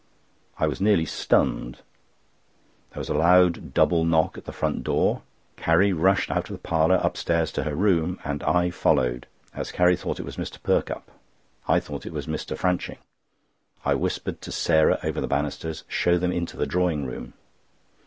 I was nearly stunned. There was a loud double knock at the front door; Carrie rushed out of the parlour, upstairs to her room, and I followed, as Carrie thought it was Mr. Perkupp. I thought it was Mr. Franching.—I whispered to Sarah over the banisters: "Show them into the drawing room."